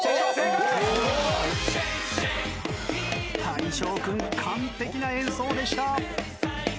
大昇君完璧な演奏でした。